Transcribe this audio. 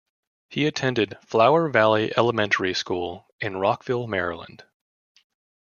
He attended Flower Valley Elementary School in Rockville, Maryland.